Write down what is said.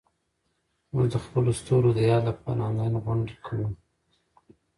موږ د خپلو ستورو د یاد لپاره انلاین غونډې کوو.